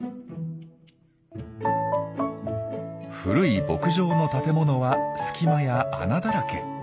古い牧場の建物は隙間や穴だらけ。